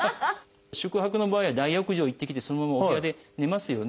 宿泊の場合は大浴場へ行ってきてそのままお部屋で寝ますよね。